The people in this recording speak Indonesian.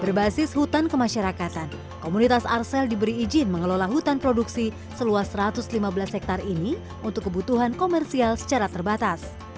berbasis hutan kemasyarakatan komunitas arsel diberi izin mengelola hutan produksi seluas satu ratus lima belas hektare ini untuk kebutuhan komersial secara terbatas